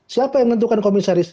siapa yang menentukan komisaris